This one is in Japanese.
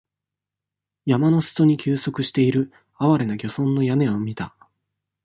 山の裾に休息している、憐れな漁村の屋根を見た。